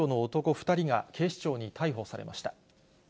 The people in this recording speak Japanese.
２人が警視庁に逮捕されました。